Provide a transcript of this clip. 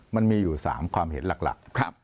มันมีอยู่๓ความเห็นหลัก